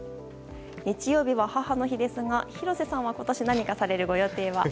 日曜日は母の日ですが廣瀬さんは今年、何かされるご予定は？